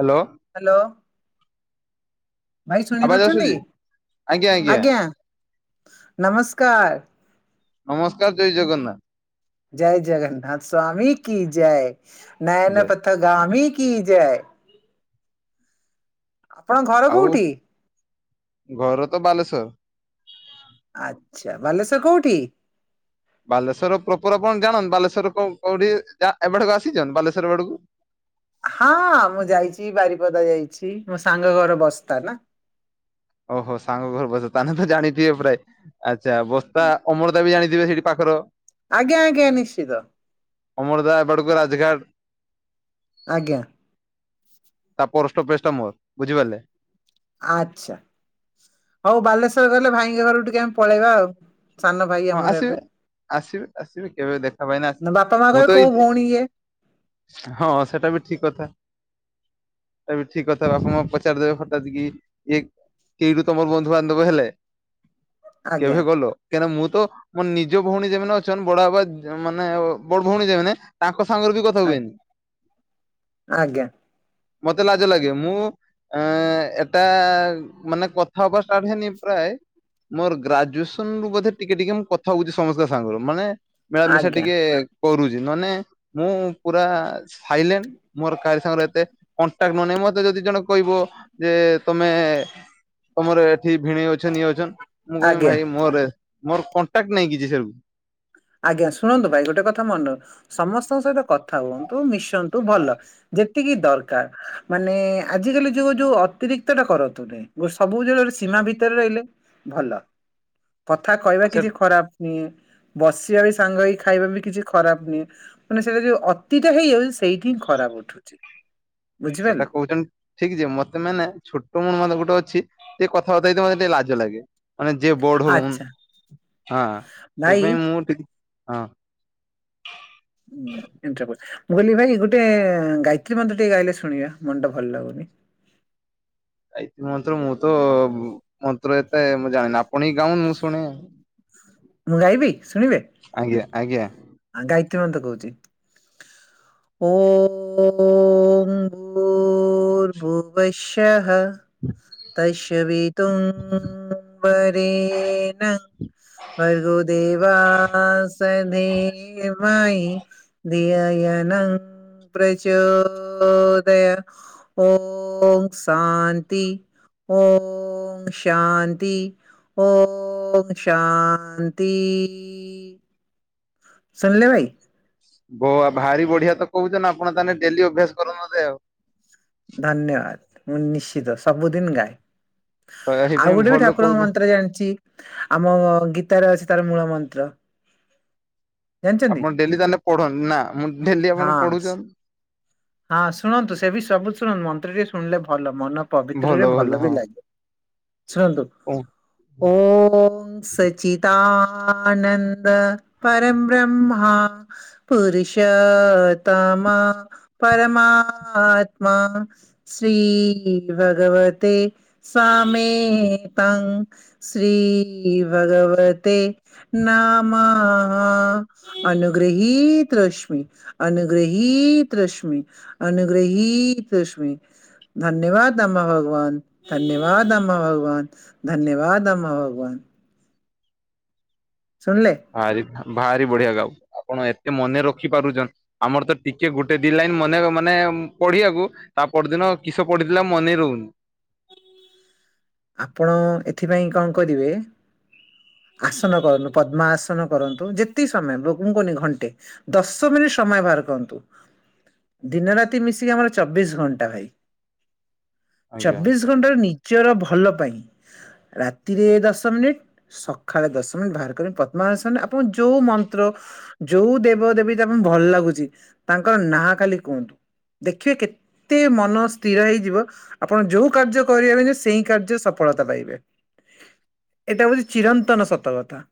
Hello. Hello. ଭାଇ ଶୁଣି ଆବାଜ ପାରୁଚନ୍ତି? ଆସୁଛି ଆଜ୍ଞା ନମସ୍କାର୍। ନମସ୍କାର୍, ଜୟ ଜଗନ୍ନା। ଜୟ ଜଗନ୍ନାଥ ସ୍ଵାମୀ କି ଜୟ, ନେୟନ ଜୟ ପଥଗାମୀ କି ଜୟ। ଆପଣ ଘର ଆଉ କୋଉଠି? ଘର ତ ବାଲେଶ୍ୱର। ଆଚ୍ଛା ବାଲେଶ୍ୱର କୋଉଠି? ବାଲେଶ୍ୱର ପ୍ରୋପର ଆପଣ ଜାଣ ବାଲେଶ୍ୱର କଁ କୋଉଠି ଯା ଏପଟ କୁ ଆସିଚନ୍ ବାଲେଶ୍ଵର ୱାଡୁ କୁ? ହଁ ମୁଁ ଯାଇଚି ବାରିପଦା ଯାଇଚି ମୋ ସାଙ୍ଗ ଘର ବସ୍ତା ନା। ଓହୋ ସାଙ୍ଗ ଘର ବସ୍ ତାନେଃ ତ ଜାଣିଥିଏ ପ୍ରାଏ ଆଚା ବସ୍ତା ଅମଳ [unintelligible] ଟାବି ଜାଣିଥିବେ ସେଠି ପାଖର? ଆଜ୍ଞା ଆଜ୍ଞା ନିଶ୍ଚିତ। ଅମରଦା ଏପଟକୁ ରାଜ୍‌ଘାଟ୍। ଆଜ୍ଞା। ତା ପୋର ଷ୍ଟପେଜ୍ ଟା ମୋର ବୁଝିପାରିଲେ? ଆଚ୍ଛା ହଉ ବାଲେଶ୍ଵର ରହିଲେ ଭାଇଙ୍କ ଘରକୁ ଟିକେ ଆମେ ପଳେଇବା ଆଉ। ସାନ ଭାଇ ହଁ ଆମର ଆସିବେ ଏବେ। ଆସିବେ ଆସିବେ କେବେ ଦେଖା ପାଇନେ ଆସି ବାପା ମା ମୁଁ କହିବେ ତ କୋଉ ଏଇ ଭଉଣୀ ଇଏ ହଁ ସେଟା ବି ଠିକ୍ କଥା। ତା ବି ଠିକ୍ କଥା ବାପା, ମା ପଚାରି ଦେବେ ହଟାତ୍ କି ଇଏ କେଉଠୁ ତମର ବନ୍ଧୁବାନ୍ଧବ ହେଲେ ଆଜ୍ଞା କେବେ କଲ କାଇଁ ନା ମୁଁ ତ ମୋ ନିଜ ଭଉଣୀ ଯେମାନେ ଅଛନ୍ ବଡ ବାପା ଯା ମାନେ ବଡ୍ ଭଉଣୀ ଯେମାନେ ତାଙ୍କ ସାଙ୍ଗରେ ବି କ ଥା ହୁଏନି ଆଜ୍ଞା ମତେ ଲାଜ ଲାଗେ ମୁଁ ଆଁ ଏଟା ମାନେ କଥା ହବା ଷ୍ଟାଟ୍ ହେନି ପ୍ରାଏ ମୋର ଗ୍ରାଜୁଏସନ୍ ରୁ ବୋଧେ ଟିକେ ଟିକେ ମୁଁ କଥା ଓଉଚି ସମସ୍ତ ସାଙ୍ଗର ମାନେ ମିଳାମିଶା ଆଜ୍ଞା ଟିକେ କରୁଚି ନନେ ମୁଁ ପୁରା ସାଇଲେନ୍। ମୋର କାଆରି ସାଙ୍ଗର ଏତେ କଣ୍ଟାକ୍ ନନେଇ ମତେ ଯଦି ଜଣ କହିବ ଯେ ତମେ ତମର ଏଠି ଭିଣେଇ ଅଛନ୍ ଇଏ ଅଛନ୍ ମୁଁ କହିବି ଆଜ୍ଞା। ଭାଇ ମୋରେ ମୋର କଣ୍ଟାକ୍ଟ ନାଇ କିଚି ସେ [unintelligible] ଆଜ୍ଞା ଶୁଣନ୍ତୁ ଭାଇ ଗୋଟେ କଥା ମନର ସମସ୍ତଙ୍କ ସହିତ କଥା ହୁଅନ୍ତୁ ମିଶନ୍ତୁ ବଲ ଯେତିକି ଦରକାର। ମାନେ ଆଜିକାଲି ଯୋଉ ଯୋଉ ଅତିରିକ୍ତଟା କରନ୍ତୁନି ମୋର ସବୁ [unintelligible] ସୀମା ଭିତରେ ରହିଲେ ଭଲ କଥା କହିବା କିଛି ଖରାପ ଉଁ ବସିବା ବି ସାଙ୍ଗ ହେଇ ଖାଇବା ବି କିଛି ଖରାପ [unintelligible] ମାନେ ସେରା ଯୋଉ ଅତିଟା ହେଇଯାଉ ସେଇଠି ହିଁ ଖରାପ ଉଠୁଚି। ସେଟା କହୁଚନ୍ ଠିକ୍ ଯେ ମତେ ମାନେ ଛୋଟ ଉଣୁ ମତେ ଗୋଟେ ଅଛି ଟିକେ କଥାବାତା ହେଇତେ ମତେ ଟିକେ ଲାଜ ଲାଗେ। ମାନେ ଯିଏ ବଢୋଉନ୍ ଆଚ୍ଛା ହଁ ସେଇଥି ଭାଇ ପାଇଁ ମୁଁ ଟି [unintelligible] ଅଁ। ଉୁଁ ଏମତିଆ [unintelligible] ମୁଁ କହିଲି ଭାଇ ଗୋଟେ ଗାୟତ୍ରୀ ମାନ୍ତ୍ର ଟି [unintelligible] ଗାଇଲେ ଶୁଣିବା ମନଟା ଭଲ ଲାଗୁନି। ଗାୟତ୍ରି ମନ୍ତ୍ର ମୁଁ ତ ବୁ ମନ୍ତ୍ର ଏତେ ମୁଁ ଜାଣେନା ଆପଣ ହିଁ ଗାଉନ୍ ମୁଁ ଶୁଣେ। ମୁଁ ଗାଇବି ଶୁଣିବେ? ଆଜ୍ଞା ଆଜ୍ଞା। ଆ ଗାୟତ୍ରୀ ମନ୍ତ କୋଉଚି। ଓମ୍ ଭୂର୍ ଭୂବଶ୍ୟଃ। ଇସ୍ୟ ବିତୁଂ ବରେନା। ଭର୍ଗୋ ଦେବାୟ ସଧିମଇଁ। ଦିଆ ୟାନା ପ୍ରଚୋଦୟା ଓଁ ଶାନ୍ତି। ଓଁ ଶାନ୍ତି। ଓଁ ଶାନ୍ତି। ଶୁଣିଲେ ଭାଇ? ବୋ ଆ ଭାରି ବଢିଆ ତ କହୁଛ ନା ଆପଣ ତାହାନେ ଡେଲି ଅଭ୍ୟାସ କର ନହଲେ ଆଉ ଧନ୍ୟବାଦ ମୁଁ ନିଶ୍ଚିତ ସବୁଦିନ ଗାଏ। ଆଉ ସେଇଥିପାଇଁ ଗୋଟେ ବି ଭଲ ଠାକୁରଙ୍କ କହୁଛ ମନ୍ତ୍ର ଜାଣିଛି ଆମ ଗୀତାରେ ଅଛି ତାର ମୂଳ ମନ୍ତ୍ର। ଜାଣିଛନ୍ତି? ଆପଣ ଡେଲି ତାହେଲେ ପଢନ୍ତି ନା ମୁଁ ଡେଲି ହଁ। ଆପଣ ସ୍- ପଢୁଛନ୍ ହଁ ଶୁଣନ୍ତୁ ସେ ବି ସବୁ ଶୁଣନ୍ତୁ ମନ୍ତ୍ରଟି ଶୁଣିଲେ ଭଲ ମନ ପବିତ୍ରରେ ଭଲ ବି ଲାଗେ ଶୁଣନ୍ତୁ। ଓଁ। ଓଁ ସଚିତାନନ୍ଦ ପରମବ୍ରହ୍ମା ପୁରୁଷୋତମ। ପରମାତ୍ମା ଶ୍ରୀ ଭଗବତେ ସ୍ଵାମେ ତାଙ୍ଗ ଶ୍ରୀ ଭଗବତେ ନମଃ ଅନୁଗୃହୀ ତସ୍ମେ। ଅନୁଗ୍ରହୀ ତସ୍ମେ ଅନୁଗ୍ରହୀତ ତସ୍ମେ। ଧନ୍ୟବାଦ ଆମା ଭଗବାନ ଧନ୍ୟବାଦ ଆମା ଭଗବାନ। ଧନ୍ୟବାଦ ଆମା ଭଗବାନ। ଶୁଣିଲେ? ଭାରି ଆ ଭାରି ବଢିଆ ଗାଉ ଆପଣ ଏତେ ମନେ ରଖି ପାରୁଚନ୍ତି। ଆମର ତ ଟିକେ ଗୋଟେ ଦି ଲାଇନ ମନେ ମାନେ ପଡିବାକୁ ତା ପରଦିନ କିସ ପଢିଥିଲା ମନେ ରହୁନି? ଆପଣ ଏଥିପାଇଁ କଣ କରିବେ? ଆସନ କରନ୍ତୁ ପଦ୍ମା ଆସନ କରନ୍ତୁ ଯେତିକି ସମୟ ମୁଁ କଣ କରୁନି ଘଣ୍ଟେ। ଦଶ ମିନିଟ ସମୟ ବାହାର କରନ୍ତୁ। ଦିନରାତି ମିଶିକି ଆମର ଚବିଶ ଘଣ୍ଟା ଭାଇ। ଆଜ୍ଞା ଚବିଶ ଘଣ୍ଟାରେ ନିଜର ଭଲ ପାଇଁ ରାତିରେ ଦଶ ମିନିଟ୍। ସଖାଳେ ଦଶ ମିନିଟ୍ ବାହାର କରିି ପଦ୍ମାସାନ ଆପଣ ଯୋଉ ମନ୍ତ୍ର ଯୋଉ ଦେବଦେବୀ ତାପ ଭଲ ଲାଗୁଛି ତାଙ୍କର ନାଁ ଖାଲି କୁହନ୍ତୁ? ଦେଖିବେ କେତେ ମନ ସ୍ଥିର ହେଇଯିବ ଆପଣ ଯୋଉ କାର୍ଯ୍ୟ କରିବେ ସେଇ କାର୍ଯ୍ୟରେ ସଫଳତା ପାଇବେ ଏଟା ହଉଛି ଚିରନ୍ତନ ସତକଥା।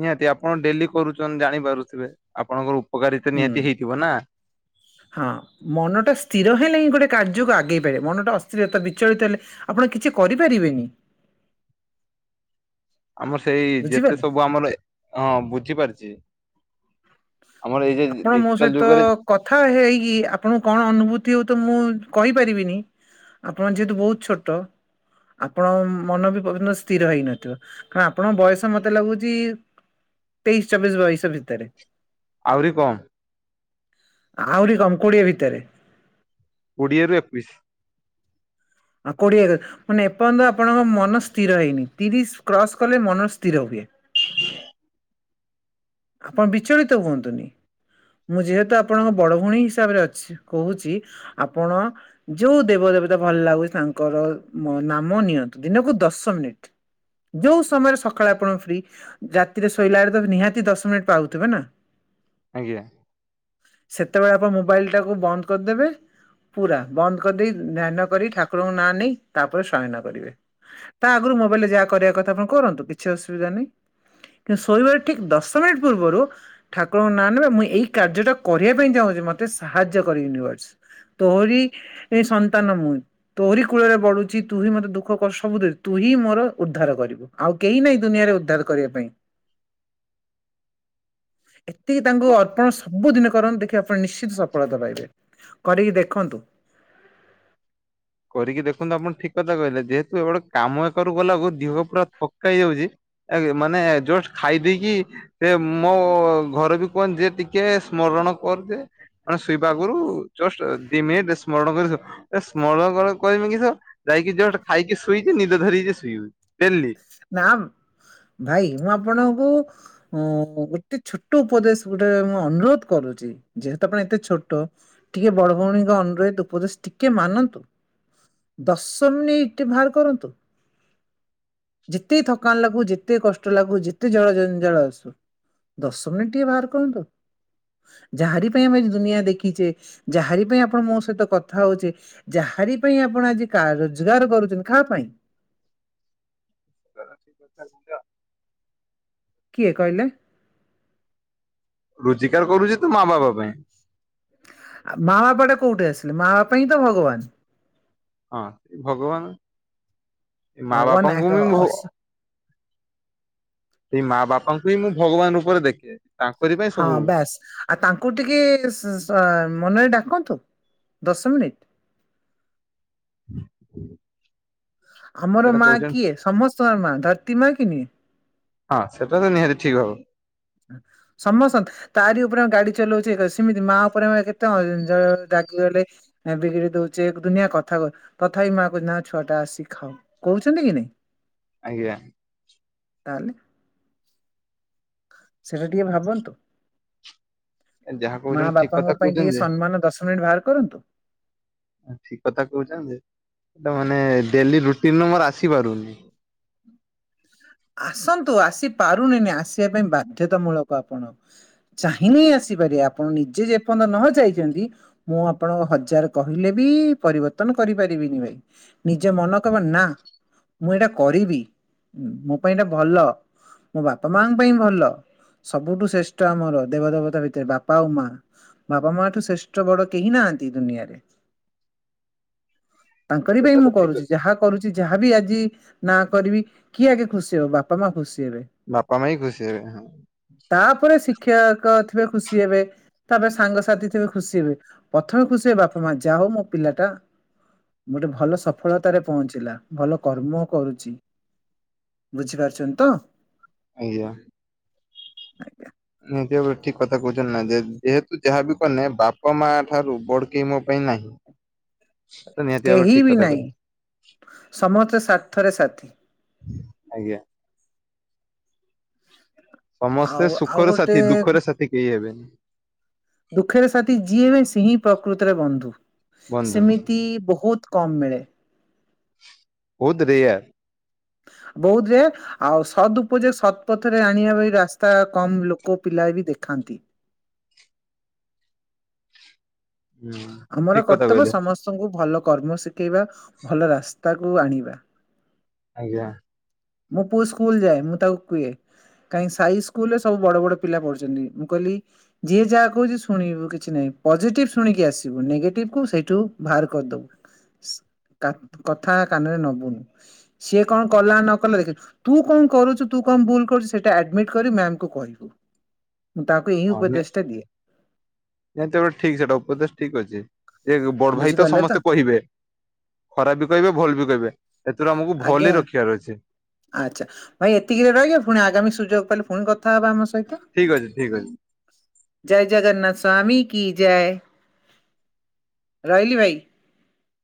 ନିହାତି ଆପଣ ଡେଲି କରୁଛନ୍ତି ଜାଣିପାରୁଥିବେ ଆପଣଙ୍କର ଉପକାରିତା ହୁଁ ନିହାତି ହେଇଥିବ ନା? ହଁ ମନଟା ସ୍ଥିର ହେଲେ ହିଁ ଗୋଟେ କାର୍ଯ୍ୟକୁ ଆଗେଇ ପାରିବ ମନଟା ଅସ୍ଥିରତା ବିଚଳିତ ହେଲେ ଆପଣ କିଛି କରିପାରିବେନି। ଆମର ସେଇ ଯେତେ ବୁଝିପାରିଲେ ସବୁ ଆମର ହଁ ବୁଝିପାରିଛି? ଆମର ଏଇ ଯୋଉ ଆପଣ ମୋ ଡିଜିଟାଲ ସହିତ ଯୁଗରେ କଥା ହେଇକି ଆପଣଙ୍କୁ କଣ ଅନୁଭୂତି ହୁଏ ତ ମୁଁ କହିପାରିବିନି? ଆପଣ ଯେହେତୁ ବହୁତ ଛୋଟ। ଆପଣ ମନ ବି ପର୍ଯ୍ୟ ସ୍ଥିର ହେଇନଥିବ କାରଣ ଆପଣଙ୍କ ବୟସ ମତେ ଲାଗୁଛି ତେଇଶ୍ ଚବିଶ୍ ବୟସ ଭିତରେ। ଆହୁରି କମ୍। ଆହୁରି କମ୍ କୋଡିଏ ଭିତରେ କୋଡ଼ିଏ ରୁ ଏକୋଇଶ। ଆଉ କୋଡିଏ ଏକ ମାନେ ଏପର୍ଯ୍ୟନ୍ତ ଆପଣଙ୍କ ମନ ସ୍ଥିର ହେଇନି ତିରିଶ କ୍ରସ୍ କଲେ ମନ ସ୍ଥିର ହୁଏ। ହ [unintelligible] ଆପଣ ବିଚଳିତ କୁଅନ୍ତୁନି ମୁଁ ଯେହେତୁ ଆପଣଙ୍କ ବଡ ଭଉଣୀ ହିସାବରେ ଅଛି। କହୁଛି ଆପଣ। ଯୋଉ ଦେବ ଦେବତା ଭଲ ଲାଗୁଚି ତାଙ୍କର ନାମ ନିଅନ୍ତୁ ଦିନକୁ ଦଶ ମିନିଟ। ଯୋଉ ସମୟରେ ସକାଳେ ଆପଣ ଫ୍ରି ରାତିରେ ଶୋଇଲା ବେଳେ ତ ନିହାତି ଦଶ ମିଟ୍ ପାଉଥିବେ ନା? ଆଜ୍ଞା। ସେତେବେଳେ ଆପଣ ମୋବାଇଲ୍ ଟାକୁ ବନ୍ଦ କରିଦେବେ। ପୁରା ବନ୍ଦ କରିଦେଇ ଧ୍ୟାନ କରି ଠାକୁରଙ୍କ ନାଁ ନେଇ ତାପରେ ସୟନ କରିବେ। ତା ଆଗରୁ ମୋବାଇଲ ରେ ଯାହା କରିବା କଥା ଆପଣ କରନ୍ତୁ କିଛି ଅସୁବିଧା ନାହିଁ କିନ୍ତୁ ଶୋଇବାର ଠିକ ଦଶ ପୂର୍ବରୁ। ଠାକୁରଙ୍କ ନାଁ ନେବେ ମୁଁ ଏଇ କାର୍ଯ୍ୟଟା କରିବା ପାଇଁ ଚାହୁଁଚି ମତେ ସାହାଯ୍ୟ କରି ୟୁନିଭର୍ସ। ତୋହରି ଏ ସନ୍ତାନ ମୁଁ। ତୋରି କୂଳରେ ବଢୁଛି ତୁ ହିଁ ମତେ ଦୁଃଖ କଷ୍ଟ ସବୁ ଦେ ତୁ ହିଁ ମୋର ଉଦ୍ଧାର କରିବୁ। ଆଉ କେହି ନାାଇଁ ଦୁନିଆରେ ଉଦ୍ଧାର କରିବା ପାଇଁ। ଏତିକି ତାଙ୍କୁ ଅର୍ପଣ ସବୁଦିନେ କରନ୍ତୁ ଦେଖି ଆପଣ ନିଶ୍ଚିତ ସଫଳତା ପାଇବେ। କରିକି ଦେଖନ୍ତୁ। କରିକି ଦେଖନ୍ତୁ ଆପଣ ଠିକ କଥା କହିଲେ ଯେହେତୁ ଏ ଗୋଟେ କାମ କରୁ ଗଲାକୁ ଦେହ ପୁରା ଥକା ହେଇଯାଉଛି। ଏ ମାନେ ଜୋରସ ଖାଇ ଦେଇେଇକି। ସେ ମୋ ଘରେ ବି କୁହେ ଯିଏ ଟିକେ ସ୍ମରଣ କର ଯେ। ମାନେ ଶୋଇବାଗରୁ ଜଷ୍ଟ ଦି ମିନିଟ ସ୍ମରଣ କରି ସ୍ମରଣ କଣ କହିମି କିସ ଯାଇକି ଜଷ୍ଟ ଖାଇକି ଶୋଇଛି ନିଦ ଧରିିକି ଶୋଇବୁ ଡେଲି। ନା ଭାଇ ମୁଁ ଆପଣଙ୍କୁ ହଁ ଗୋଟେ ଛୋଟ ଉପଦେଶ ଗୋଟେ ମୁଁ ଅନୁରୋଧ କରୁଚି। ଯେହେତୁ ଆପଣ ଏତେ ଛୋଟ ଟିକେ ବଡ ଭଉଣୀଙ୍କ ଅନୁରୋହିତ ଉପଦେଶ ଟିକେ ମାନନ୍ତୁ। ଦଶମୀ ନେଇ ଟେ ବାହାର କରନ୍ତୁ। ଯେତେ ଥକା ଲାଗୁ ଯେତେ କଷ୍ଟ ଲାଗୁ ଯେତେ ଜଳ ଜଞ୍ଜା ଳ ଆସୁ। ଦଶ ମିନିଟ୍ ଟିକେ ବାହାର କରହନ୍ତୁ। ଯାହାରି ପାଇଁ ଆମେ ଦୁନିଆ ଦେଖିଛେ ଯାହାରି ପାଇଁ ଆପଣ ମୋ ସହିତ କଥା ହଉଛେ। ଯାହାରି ପାଇଁ ଆପଣ ଆଜି ରୋଜଗାର କରୁଛନ୍ତି କାହା ପାଇଁ? [unintelligible] କିଏ କହିଲେ? ରୋଜିଗାର କରୁଚି ତ ମା ବାପ ପାଇଁ। ମା ବାପଟା କୋଉଠି ଆସିଲେ ମା ବାପ ହିଁ ତ ଭଗବାନ। ହଁ ଭଗବାନ ମା ଭଗବାନ ଏକ ବାପାଙ୍କୁ ମୋ ଅସ ସେଇ ମା ବାପାଙ୍କୁ ହିଁ ମୁଁ ଭଗବାନ ରୂପରେ ଦେଖେ। ତାଙ୍କରି ପାଇଁ ହଁ ସବୁ ବାସ୍। ଆଉ ତାଙ୍କୁ ଟିକେ ମନରେ ଡାକନ୍ତୁ ଦଶ ମିନିଟ୍। ହୁଁ। ଆମର ମା କିଏ ସମସ୍ତ ଆମର ମା ଧରତି ମାକି ନୁହେ? ହଁ ସେଟା ତ ନିହାତି ଠିକ୍ ହବ। ସମସ୍ତନ୍ତେ। ତାରି ଉପରେ ଆ ଗାଡି ଚଲଉଛି ସେମିତି ମା ଉପରେ ଆମ କେତେ ଅଝଟ ରାଗିଗଲେ। ବିଗିଡି ଦଉଛେ ଦୁିନିଆ କଥା କହୁ ତଥାପି ମା କହୁଛି ନା ଛୁଆ ଟା ଆସି ଖାଉ। କରୁଛନ୍ତି କି ନାଇଁ। ଆଜ୍ଞା। ତାହେଲେ? ସେଇଟା ଟିକେ ଭାବନ୍ତୁ। ଯାହା ମା କହୁଛନ୍ତି ଠିକ ବାପାଙ୍କ କଥା ପାଇଁ ଟିକେ କହୁଛନ୍ତି ଯେ ସମ୍ମାନ ଦଶ ମିନିଟ ବାହାର କରନ୍ତୁ। ଠିକ କଥା କହୁଛନ୍ତି ଯେ ଟା ମାନେ ଡେଲି ରୁଟିନରୁ ମେରଆସିପାରୁନି। ଆସନ୍ତୁ ଆସି ପାରୁନିନି ଆସିବା ପାଇଁ ବାଧ୍ୟତାମୂଳକ ଆପଣ। ଚାହିଁନେ ଆସିପାରିବେ ଆପଣ ନିଜେ ଯେପର୍ଯ୍ୟନ୍ତ ନ ଚାହିଁଛନ୍ତି ମୁଁ ଆପଣଙ୍କୁ ହଜାର କହିଲେ ବି ପରିବର୍ତ୍ତନ କରିପାରିବିନି ଭାଇ। ନିଜେ ମନ କହିବ ନା ମୁଁ ଏଇଟା କରିବି। ହୁଁ ମୋ ପାଇଁ ଏଟା ଭଲ ମୋ ବାପା ମାଙ୍କ ପାଇଁ ଭଲ ସବୁଠୁ ଶ୍ରେଷ୍ଠ ଆମର ଦେବ ଦେବତା ଭିତରେ ବାପା ଆଉ ମା ବାପା ମା ଠୁ ଶ୍ରେଷ୍ଠ ବଡ କେହି ନାହାନ୍ତି ଦୁନିଆରେ। ତାଙ୍କରି ସେଟା ପାଇଁ ତ ମୁଁ ଠିକ କରୁଛି ଯାହା କରୁଛି ଯାହା ବିି ଆଜି ନା କରିବି। କିଏ ଆଗେ ଖୁସି ହବ ବାପା ମା ଖୁସି ହେବେ। ବାପା ମା ହଁ ଖୁସି ହେବେ। ତାପରେ ଶିକ୍ଷକ ଥିବେ ଖୁସି ହେବେ। ତାପରେ ସାଙ୍ଗସାଥୀ ଥିବେ ଖୁସି ହେବେ ପ୍ରଥମେ ଖୁସି ହେବେ ବାପା ମା ଯାହା ହଉ ମୋ ପିଲାଟା ଗୋଟେ ଭଲ ସଫଳତାରେ ପହଞ୍ଚିଲା ଭଲ କର୍ମ କରୁଛି। ବୁଝିପାରୁଛନ୍ତି ତ? ଆଜ୍ଞା। ନିଜ ଠିକ କଥା କହୁଛନ୍ତି ନା ଯେ ଯେହେତୁ ଯାହାବି କଲେ ବାପା ମା ଠାରୁ ବଡକେଇ ମୋ ପାଇଁ ନାହିଁ। ତ ନିହାତି ଭାବରେ କେହି ଠିକ ବି କଥା ନାହିଁ କହିଲେ ସମସ୍ତେ ସାର୍ଥରେ ସାଥୀ। ଆଜ୍ଞା। ସମସ୍ତେ ଆଉ ଆଉ ସୁଖର ଗୋଟେ ସାଥୀ ଦୁଃଖର ସାଥି କେହି ହେବେନି। ଦୁଃଖରେ ସାଥୀ ଯିଏ ହୁଏ ସେ ହିଁ ପ୍ରକୃତରେ ବନ୍ଧୁ ବନ୍ଧୁ ସେମିତି ବହୁତ କମ୍ ମିଳେ। ବହୁତ ରେୟାର। ବହୁତ ରେୟାର। ଆଉ ସଦ୍ ଉପଯୋଗ ସଦ୍ ପଥରେ ଆଣିବା ବା ରାସ୍ତା କମ ଲୋକ ପିଲା ବି ଦେଖାନ୍ତି। ହୁଁ ଆମର ଠିକ କଥା କର୍ତ୍ତବ୍ୟ କହିଲେ ସମସ୍ତଙ୍କୁ ଭଲ କର୍ମ ଶିଖେଇବା ଭଲ ରାସ୍ତାକୁ ଆଣିବା। ଆଜ୍ଞା। ମୁଁ ପୁଅ ସ୍କୁଲ ଯାଏ ମୁଁ ତାକୁ କୁହେ। କାହିଁ ସାଇ ସ୍କୁଲ ରେ ସବୁ ବଡ ବଡ ପିଲା ପଢୁଛନ୍ତି ମୁଁ କହିଲି ଯିଏ ଯାହା କହୁଛି ଶୁଣିବୁ କିଛି ନାହିଁ ପଜିଟିଭ ଶୁଣିକି ଆସିବୁ ନେଗେଟିଭ କୁ ସେଇଠୁ ବାହାର କରିଦବୁ। କଥା କାନରେ ନବୁନୁ ସିଏ କଣ କଲା ନ ତୁ କଣ କରୁଛୁୁ ତୁ କଣ ଭୁଲୁଟା କରୁଛୁ ସେଟା ଆଡମିଟ୍ କରିବୁ ମ୍ୟାମ ଙ୍କୁ କହିବୁ। ମୁଁ ତାକୁ ଏହି ହଁ ଉପଦେଶ ଟା ଦିଏ। ନିହାତି ଭାବେ ଠିକ ସେଟା ଉପଦେଶ ଠିକ ଅଛି ଏ ବଡ ଭାଇ ତ ସମସ୍ତେ କହିବେ ଖରାପ ବି କହିବେ ଭଲ ବି କହିବେ ଏଥିରୁ ଆମକୁ ଆଜ୍ଞା ଭଲ ହି ରଖିବାର ଅଛି। ଆଚ୍ଛା ଭାଇ ଏତିକିରେ ରହିବ ପୁଣି ଆଗାମୀ ସୁଯୋଗ ପାଇଲେ ପୁଣି କଥା ହେବା ଆମ ସ। ଠିକ ଅଛି ଠିକ ଅଛି। ଜୟ ଜଗନ୍ନାଥ ସ୍ୱାମୀ କି ଜୟ। ରହିଲି ଭାଇ।